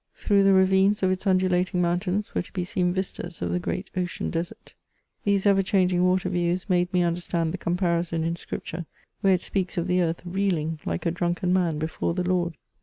Through the ravines of its undulating mountains were to be seen vistas of the great ocean desert ; these ever changing water views made me understand the comparison in scripture, wliere it speaks of the earth reeling like a drunken man before the Lord.